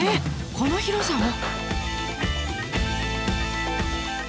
この広さを？